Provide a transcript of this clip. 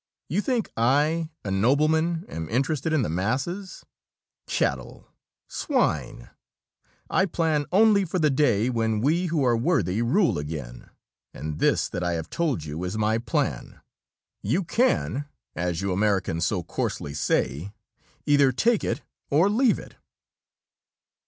You think I, a nobleman, am interested in the masses? Cattle swine! I plan only for the day when we who are worthy rule again, and this that I have told you is my plan. You can, as you Americans so coarsely say, either take it or leave it."